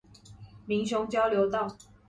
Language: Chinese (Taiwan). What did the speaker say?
民雄交流道